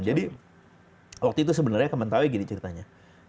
jadi waktu itu sebenarnya ke mentawai gini ceritanya